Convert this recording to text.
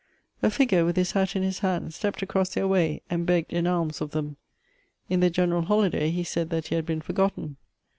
A figure, with his hat in his hand, stepped across their way, and begged in alms of them — in the general holi day he said that he had been forgotten.